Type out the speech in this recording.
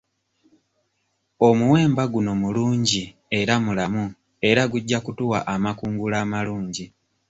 Omuwemba guno mulungi era mulamu era gujja kutuwa amakungula amalungi.